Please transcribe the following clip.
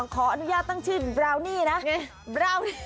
ขออนุญาตตั้งชื่อบราวนี่นะ